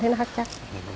thế nó hấp chắc